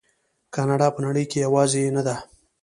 کاناډا په نړۍ کې یوازې نه ده.